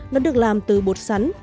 nó được làm từ bột sắn